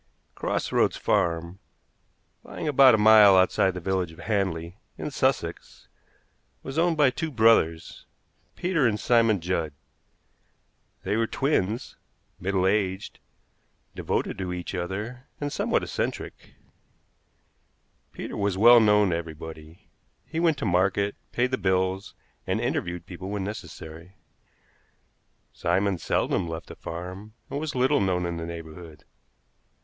Cross Roads Farm, lying about a mile outside the village of Hanley, in Sussex, was owned by two brothers, Peter and Simon Judd. They were twins, middle aged, devoted to each other, and somewhat eccentric. Peter was well known to everybody. He went to market, paid the bills, and interviewed people when necessary. Simon seldom left the farm, and was little known in the neighborhood.